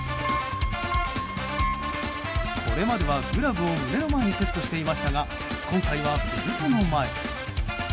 これまでは、グラブを胸の前にセットしていましたが今回は、ベルトの前。